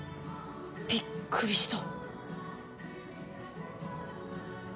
びっくりした。